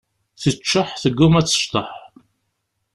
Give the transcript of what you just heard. Teččeḥ, tegguma ad tecḍeḥ.